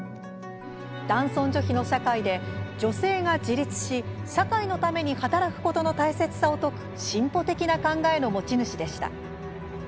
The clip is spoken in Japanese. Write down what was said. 男尊女卑の社会で女性が自立し、社会のために働くことの大切さを説く進歩的な考えの持ち主でした。